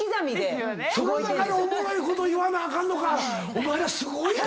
その中でおもろいこと言わなあかんのか。